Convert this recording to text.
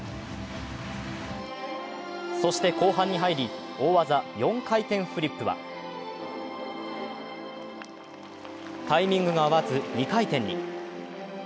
そして後半に入り、大技４回転フリップはタイミングが合わず、２回転に。